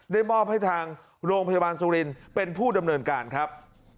ได้มอบให้ทางโรงพยาบาลสุรินเป็นผู้ดำเนินการครับ